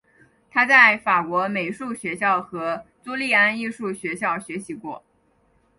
他在法国美术学校和朱利安艺术学校学习过。